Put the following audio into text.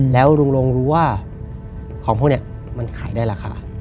แล้วลุงลงรู้ว่าของพวกนี้มันขายได้ราคา